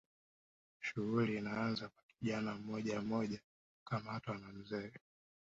Shughuli inaanza kwa kijana mmojammoja kukamatwa na mzee